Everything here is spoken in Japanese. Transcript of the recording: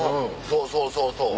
そうそうそうそう。